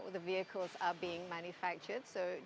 dan bagaimana perusahaan ini dibuat